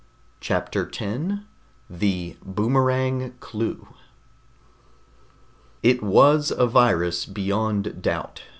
CHAPTER 10 THE BOOMERANG CLUE It was a virus, beyond doubt.